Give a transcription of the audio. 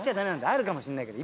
あるかもしんないけど。